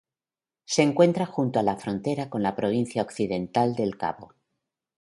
Se encuentra junto a la frontera con la Provincia Occidental del Cabo.